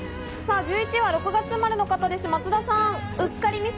１１位は６月生まれの方です、松田さん。